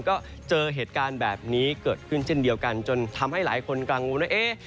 ก็เจอเหตุการณ์แบบนี้เกิดขึ้นเช่นเดียวกันจนทำให้หลายคนกังวลว่าเอ๊ะ